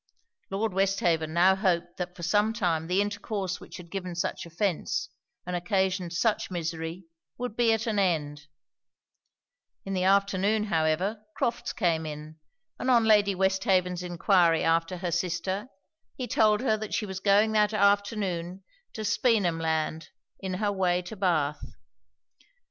Lord Westhaven now hoped that for some time the intercourse which had given such offence, and occasioned such misery, would be at an end: in the afternoon, however, Crofts came in; and on Lady Westhaven's enquiry after her sister, he told her that she was going that afternoon to Speenhamland in her way to Bath.